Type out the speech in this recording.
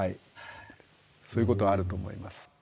そういうことあると思います。